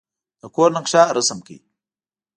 د کور نقشه رسم کړئ.